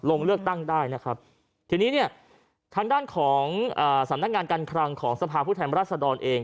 ลงเลือกตั้งได้นะครับทีนี้เนี่ยทางด้านของสำนักงานการคลังของสภาพผู้แทนรัศดรเอง